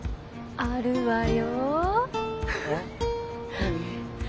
あるわよ。